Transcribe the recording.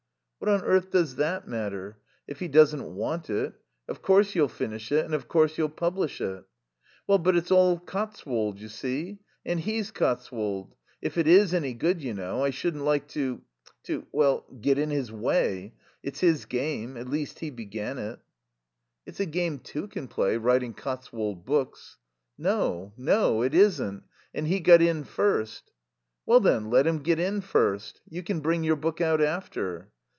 "What on earth does that matter? If he doesn't want it. Of course you'll finish it, and of course you'll publish it." "Well, but it's all Cotswold, you see. And he's Cotswold. If it is any good, you know, I shouldn't like to to well, get in his way. It's his game. At least he began it." "It's a game two can play, writing Cotswold books." "No. No. It isn't. And he got in first." "Well, then, let him get in first. You can bring your book out after."